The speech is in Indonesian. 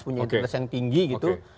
punya integritas yang tinggi gitu